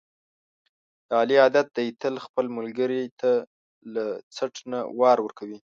د علي عادت دی، تل خپل ملګري ته له څټ نه وار ورکوي.